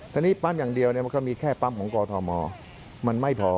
ตอนนี้ปั๊มอย่างเดียวมันก็มีแค่ปั๊มของกอทมมันไม่พอ